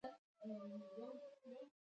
د واکمن پر خلاف د جرم دوسیه پاچا پخپله څارله.